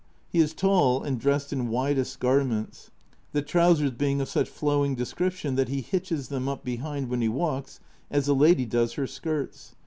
He is tall and dressed in widest garments, the trousers being of such flowing description that he hitches them up behind when he walks, as a lady does her skirts.